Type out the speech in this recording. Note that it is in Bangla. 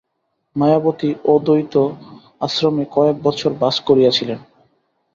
মায়াবতী অদ্বৈত আশ্রমে কয়েক বৎসর বাস করিয়াছিলেন।